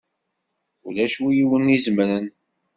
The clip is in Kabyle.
Ulac win i wen-izemren!